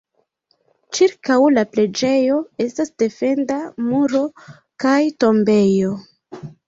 Ĉirkaŭ la preĝejo estas defenda muro kaj tombejo.